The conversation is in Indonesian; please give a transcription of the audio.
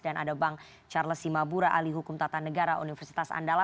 dan ada bang charles simabura ahli hukum tata negara universitas andala